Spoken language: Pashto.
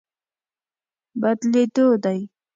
بدلېدو دی.